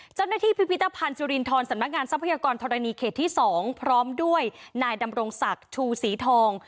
พิพิธภัณฑ์สุรินทรสำนักงานทรัพยากรธรณีเขตที่๒พร้อมด้วยนายดำรงศักดิ์ชูศรีทอง